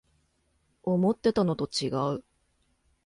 思ってたのとちがう